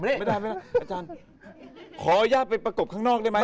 อาจารย์ขออนุญาตไปประกบข้างนอกได้ไหม